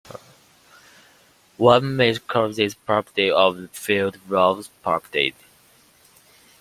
One may call this property of a field Rolle's property.